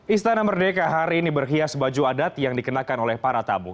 istana merdeka hari ini berhias baju adat yang dikenakan oleh para tamu